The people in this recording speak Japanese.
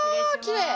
きれい。